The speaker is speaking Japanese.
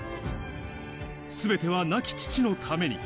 全ては亡き父のために。